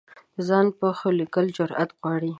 د ځان پېښو لیکل جرعت غواړي.